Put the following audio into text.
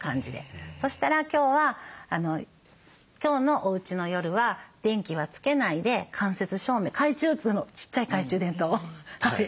そしたら今日は今日のおうちの夜は電気はつけないで間接照明ちっちゃい懐中電灯